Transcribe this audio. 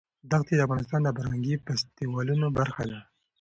دښتې د افغانستان د فرهنګي فستیوالونو برخه ده.